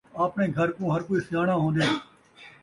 آپݨے گھر کوں ہر کوئی سیاݨا ہوندے